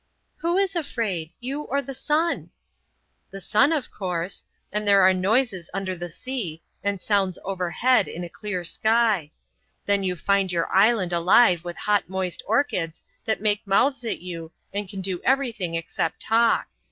"Who is afraid?—you, or the sun?" "The sun, of course. And there are noises under the sea, and sounds overhead in a clear sky. Then you find your island alive with hot moist orchids that make mouths at you and can do everything except talk.